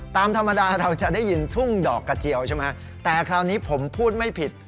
ตามธรรมดาเราจะได้ยินทุ่งดอกกระเจียวใช่ไหมแต่คราวนี้ผมพูดไม่ผิด